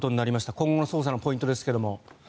今後の捜査のポイントですけど。